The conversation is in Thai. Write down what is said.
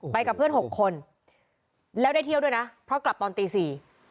กับเพื่อนหกคนแล้วได้เที่ยวด้วยนะเพราะกลับตอนตีสี่